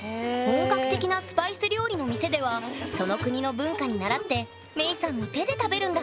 本格的なスパイス料理の店ではその国の文化に倣ってメイさんも手で食べるんだって！